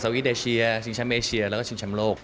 ซาวิทยาเชียชิงชำเอเชียแล้วก็ชิงชำโลก